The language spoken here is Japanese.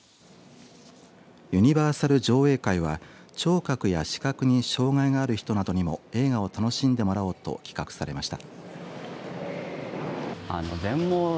ユニバーサル上映会は聴覚や視覚に障害がある人などにも映画を楽しんでもらおうと企画されました。